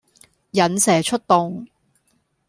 引蛇出洞